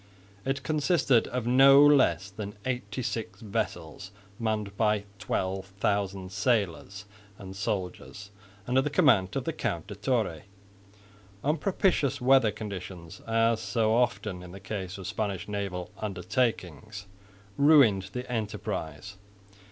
It consisted of no less than eighty six vessels manned by 12,000 sailors and soldiers under the command of the Count de Torre. Unpropitious weather conditions, as so often in the case of Spanish naval undertakings, ruined the enterprise.